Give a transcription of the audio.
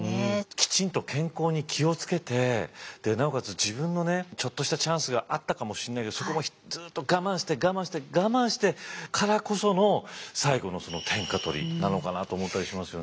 きちんと健康に気を付けてなおかつ自分のちょっとしたチャンスがあったかもしんないけどそこもずっと我慢して我慢して我慢してからこその最後の天下取りなのかなと思ったりしますよね。